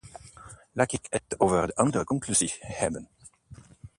Laat ik het over de andere conclusies hebben.